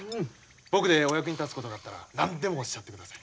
僕でお役に立つことがあったら何でもおっしゃってください。